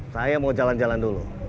saya mau jalan jalan dulu